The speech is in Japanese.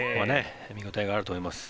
見ごたえがあると思います。